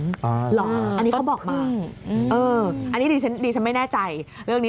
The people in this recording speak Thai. หรออันนี้เขาบอกมาเอออันนี้ดิฉันไม่แน่ใจเรื่องนี้